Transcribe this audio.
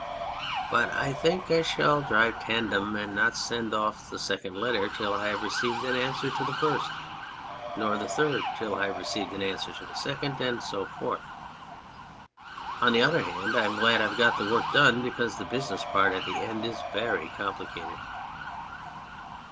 . but I think I shall drive tandem and not send off the second letter until I have received an answer to the first ; nor the third until I have received an answer to the second, and so forth ... On the other hand, I'm glad I've got the work done, because the business part at the end is very complicated.